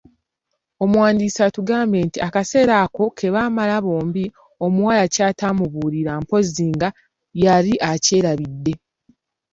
Omuwandiisi atugamba nti akaseera ako kebaamala bombi, omuwala ky’ataamubuulira mpozzi nga yali akyerabidde.